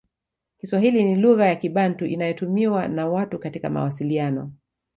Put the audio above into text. Kiswahili ni lugha ya Kibantu inayotumiwa na watu katika mawasiliano